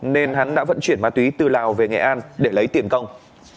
nên hắn đã vận chuyển ma túy từ lào về nghệ an để lấy tiền công